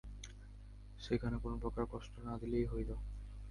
সেখানে কোনোপ্রকার কষ্ট না দিলেই হইল।